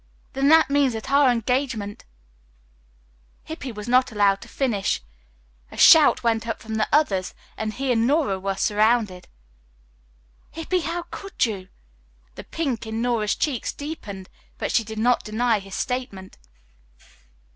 "Then that means that our engagement " Hippy was not allowed to finish. A shout went up from the others, and he and Nora were surrounded. "Hippy, how could you?" The pink in Nora's cheeks deepened, but she did not deny his statement.